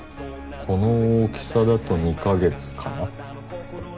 この大きさだと２カ月かな。